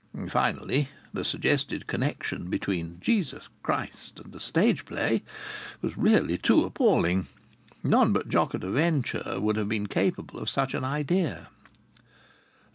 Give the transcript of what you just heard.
Finally, the suggested connection between Jesus Christ and a stage play was really too appalling! None but Jock at a Venture would have been capable of such an idea.